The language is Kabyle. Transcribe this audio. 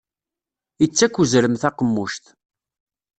Ittak uzrem taqemmuct.